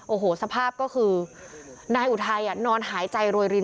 โอ้โหสภาพก็คือนายอุทัยนอนหายใจโรยริน